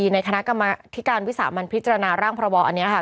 ในคณะกรรมธิการวิสามันพิจารณาร่างพรบอันนี้ค่ะ